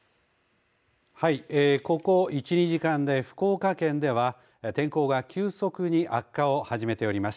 はい、ここ１、２時間で福岡県では天候が急速に悪化を始めております。